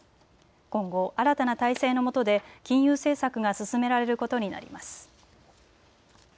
今後、新たな体制のもとで金融政策が進められることになります。